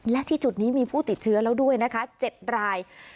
และที่จุดนี้มีผู้ติดเชื้อแล้วด้วยนะคะ๗ราย